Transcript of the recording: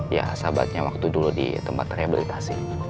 ya sahabatnya waktu dulu di tempat rehabilitasi